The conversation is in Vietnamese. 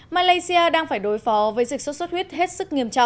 malaysia đang phải đối phó với dịch sốt xuất huyết hết sức